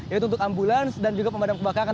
yaitu untuk ambulans dan juga pemadam kebakaran